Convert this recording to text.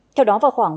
theo đó vào khoảng